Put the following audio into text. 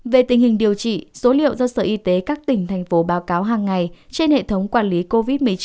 về tình hình điều trị số liệu do sở y tế các tỉnh thành phố báo cáo hàng ngày trên hệ thống quản lý covid một mươi chín